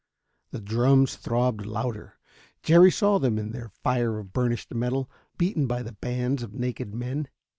The drums throbbed louder. Jerry saw them in their fire of burnished metal, beaten by the bands of naked men.